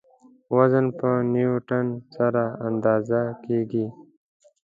وزن په نیوټن سره اندازه کیږي.